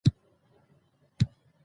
د لوړو زده کړو لپاره هڅه وکړئ.